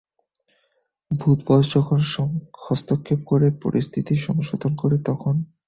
ভূত বস যখন হস্তক্ষেপ করে পরিস্থিতি সংশোধন করে তখন।